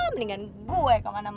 mendingan gue kau anak anak